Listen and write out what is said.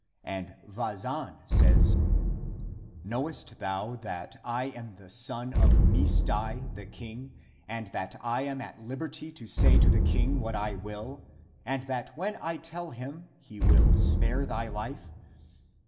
And Vazan says, " Knowest thou that I am the son of Misdai the king, and that I am at liberty to say to the king what I will, and that <when I tell him,> he will spare thy life?